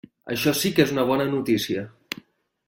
Això sí que és una bona notícia.